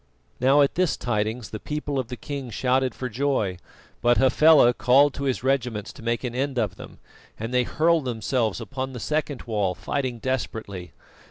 Now, at this tidings the people of the king shouted for joy; but Hafela called to his regiments to make an end of them, and they hurled themselves upon the second wall, fighting desperately.